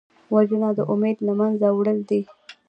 وژنه د امید له منځه وړل دي